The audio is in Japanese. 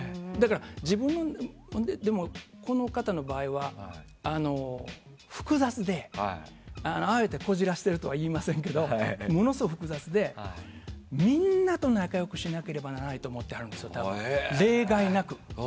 でも、この方の場合は複雑であえて、こじらせてるとは言いませんけどものすごく複雑で、みんなと仲良くしなければならないと思ってはるんですよ、例外なく。